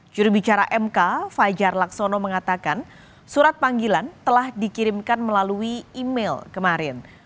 jurubicara mk fajar laksono mengatakan surat panggilan telah dikirimkan melalui email kemarin